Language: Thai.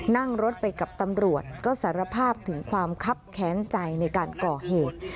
นั่งรถไปกับตำรวจก็สารภาพถึงความคับแค้นใจในการก่อเหตุ